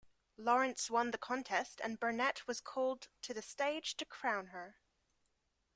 Lawrence won the contest and Burnett was called to the stage to crown her.